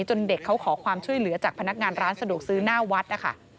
เด็กเขาขอความช่วยเหลือจากพนักงานร้านสะดวกซื้อหน้าวัดนะคะ